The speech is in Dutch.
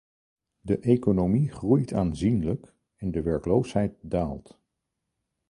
De economie groeit aanzienlijk en de werkloosheid daalt.